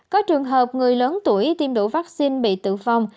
có trường hợp người lớn tuổi tiêm đủ vaccine bị tử vong